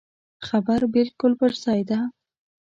خبره بالکل پر ځای ده.